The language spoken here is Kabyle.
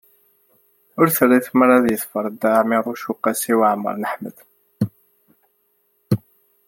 Ur t-terri tmara ad yeḍfer Dda Ɛmiiruc u Qasi Waɛmer n Ḥmed.